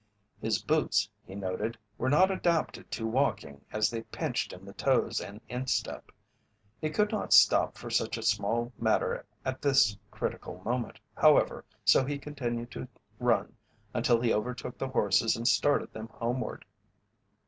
His boots, he noted, were not adapted to walking as they pinched in the toes and instep. He could not stop for such a small matter at this critical moment, however, so he continued to run until he overtook the horses and started them homeward.